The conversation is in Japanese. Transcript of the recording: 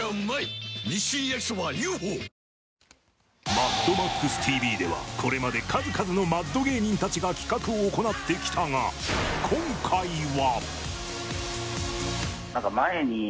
「マッドマックスＴＶ」ではこれまで数々のマッド芸人たちが企画を行ってきたが、今回は。